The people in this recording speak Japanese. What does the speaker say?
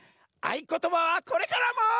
あいことばはこれからも。